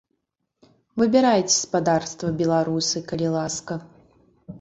Выбірайце, спадарства беларусы, калі ласка.